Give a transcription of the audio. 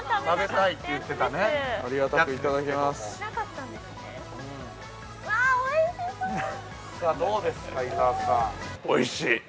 ◆おいしい。